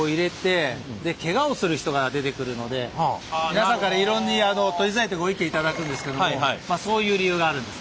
皆さんから取りづらいとご意見頂くんですけどもそういう理由があるんです。